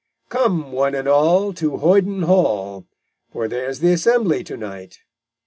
_Come, one and all, To Hoyden Hall, For there's th' Assembly to night.